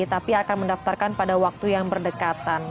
tapi akan mendaftarkan pada waktu yang berdekatan